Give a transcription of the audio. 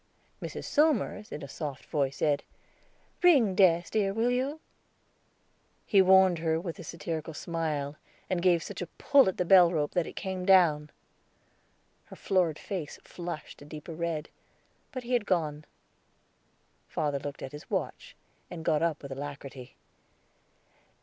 Mrs. Somers in a soft voice said: "Ring, Des, dear, will you?" He warned her with a satirical smile, and gave such a pull at the bell rope that it came down. Her florid face flushed a deeper red, but he had gone. Father looked at his watch, and got up with alacrity.